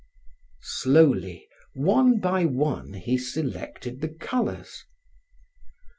Slowly, one by one, he selected the colors.